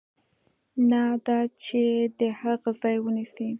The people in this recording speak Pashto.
نه دا چې د هغه ځای ونیسي.